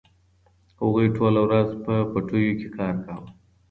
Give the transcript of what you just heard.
هغوی ټوله ورځ په پټیو کې کار کاوه.